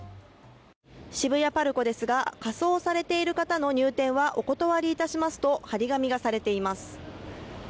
渋谷パルコですが、仮装されている方の入店はお断りいたしますと、貼り紙がされています。